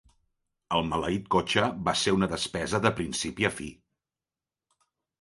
El maleït cotxe va ser una despesa de principi a fi.